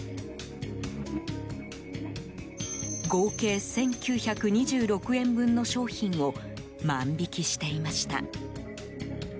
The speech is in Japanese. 合計１９２６円分の商品を万引きしていました。